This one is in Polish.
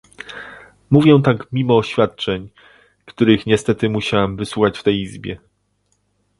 Mówię tak mimo oświadczeń, których niestety musiałam wysłuchać w tej Izbie